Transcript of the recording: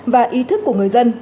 và ý thức của người dân